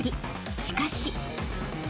［しかし］